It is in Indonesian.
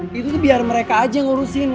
eh itu tuh biar mereka aja yang urusin